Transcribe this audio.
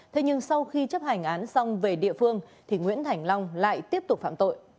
thế nhưng sau khi chấp hành án xong về địa phương thì nguyễn thành long lại tiếp tục phạm tội